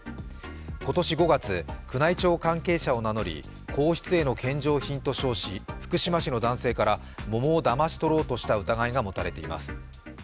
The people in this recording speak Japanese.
今年５月、宮内庁関係者を名乗り皇室への献上品と称し福島市の男性から桃をだまし取ろうとした疑いが持たれています。